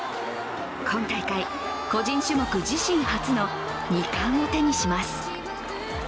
今大会、個人種目、自身初の２冠を手にします。